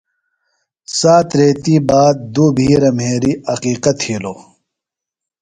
سات ریتیۡ باد دُو بِھیرہ مھرِیۡ عقیقہ تِھیلوۡ۔